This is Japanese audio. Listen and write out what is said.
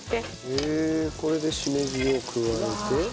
へえこれでしめじを加えて。